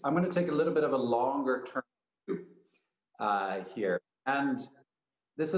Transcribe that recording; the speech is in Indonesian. yang kita hidup dan bekerja dalam hari ini